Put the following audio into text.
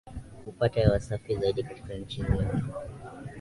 kupata hewa safi zaidi Katika nchi nyingi